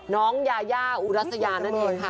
น้องยายาอุรัสยานั่นเองค่ะ